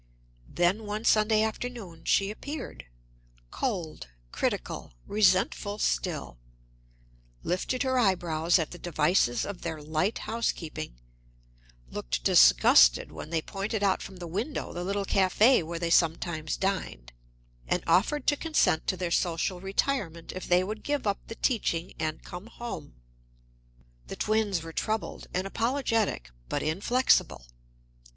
Then, one Sunday afternoon, she appeared, cold, critical, resentful still; lifted her eyebrows at the devices of their light housekeeping; looked disgusted when they pointed out from the window the little cafe where they sometimes dined; and offered to consent to their social retirement if they would give up the teaching and come home. The twins were troubled and apologetic, but inflexible.